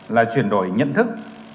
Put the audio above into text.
là chuyển đổi nhận thức